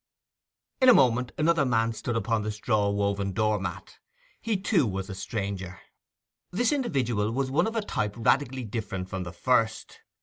In a moment another man stood upon the straw woven door mat. He too was a stranger. This individual was one of a type radically different from the first.